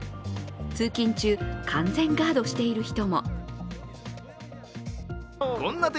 通勤中、完全ガードしている人も。